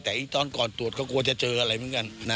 แต่ตอนก่อนตรวจก็กลัวจะเจออะไรเหมือนกัน